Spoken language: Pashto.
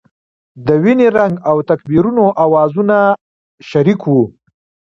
د وینې رنګ او تکبیرونو اوازونه شریک وو.